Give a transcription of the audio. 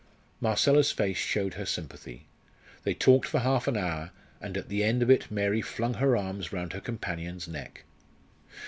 Marcella's face showed her sympathy. They talked for half an hour, and at the end of it Mary flung her arms round her companion's neck.